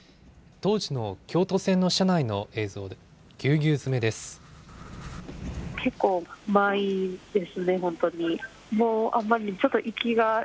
当時の京都線の車内の映像、ぎゅうぎゅう詰めです。